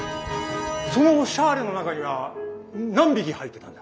そのシャーレの中には何匹入ってたんだ？